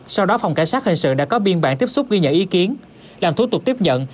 sau đó phòng cảnh sát hình sự đã có biên bản tiếp xúc ghi nhận ý kiến làm thủ tục tiếp nhận